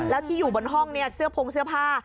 แล้วที่อยู่บนห้องเนี่ยเสื้อพงเสื้อผ้า